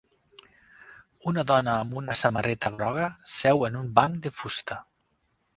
Una dona amb una samarreta groga seu en un banc de fusta.